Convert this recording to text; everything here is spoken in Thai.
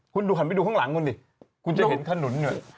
นั่นไงคุณหันไปดูข้างหลังกูดิคุณจะเห็นขนุน